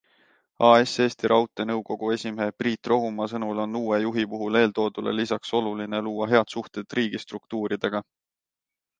AS Eesti Raudtee nõukogu esimehe Priit Rohumaa sõnul on uue juhi puhul eeltoodule lisaks oluline luua head suhted riigistruktuuridega.